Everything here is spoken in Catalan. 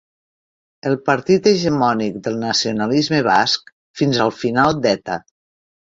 El partit hegemònic del nacionalisme basc fins al final d'Eta.